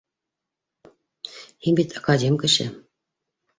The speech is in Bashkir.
Һин бит академ кеше